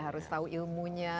harus tahu ilmunya